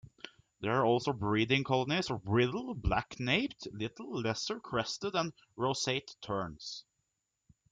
There are also breeding colonies of bridled, black-naped, little, lesser crested and roseate terns.